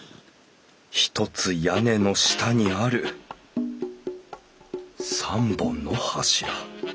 ひとつ屋根の下にある３本の柱。